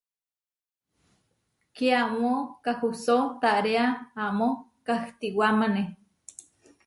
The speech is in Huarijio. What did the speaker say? Kiamó kahusó taréa amó kahtiwámane.